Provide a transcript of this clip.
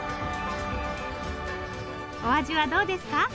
お味はどうですか？